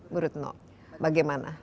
menurut noh bagaimana